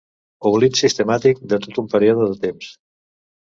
Oblit sistemàtic de tot un període de temps.